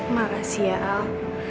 makasih ya al